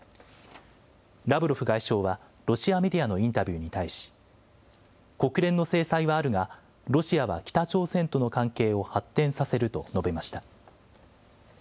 ラブロフ外相はロシアメディアのインタビューに対し、国連の制裁はあるが、ロシアは北朝鮮との関係を発展させると述べました。